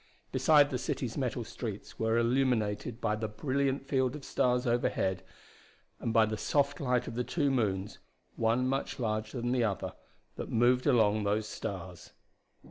Beside the city's metal streets were illuminated by the brilliant field of stars overhead and by the soft light of the two moons, one much larger than the other, that moved among those stars.